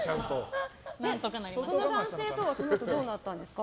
その男性とはそのあとどうなったんですか？